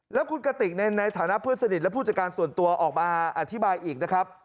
แล้วคุณกติกในฐานะเพื่อนสนิทและผู้จัดการส่วนตัวออกมาอธิบายอีกนะครับ